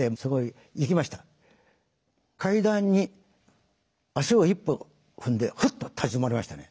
階段に足を一歩踏んでふっと立ち止まりましたね。